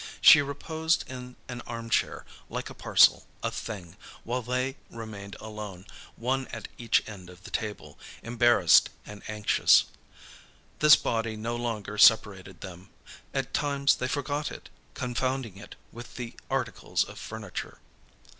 She reposed in an armchair, like a parcel, a thing, while they remained alone, one at each end of the table, embarrassed and anxious. This body no longer separated them; at times they forgot it, confounding it with the articles of furniture.